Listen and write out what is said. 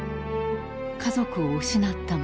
家族を失った者。